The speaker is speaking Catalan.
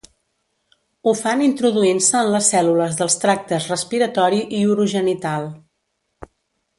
Ho fan introduint-se en les cèl·lules dels tractes respiratori i urogenital.